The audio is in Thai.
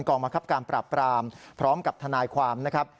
บังคับการปราบปรามพร้อมกับทนายความนะครับ